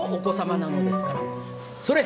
それ。